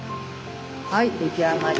はい出来上がり。